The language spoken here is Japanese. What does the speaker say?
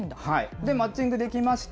で、マッチングできました。